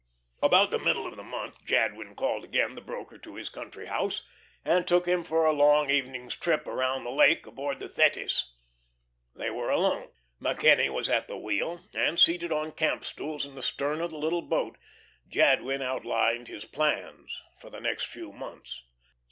About the middle of the month Jadwin again called the broker to his country house, and took him for a long evening's trip around the lake, aboard the "Thetis." They were alone. MacKenny was at the wheel, and, seated on camp stools in the stern of the little boat, Jadwin outlined his plans for the next few months.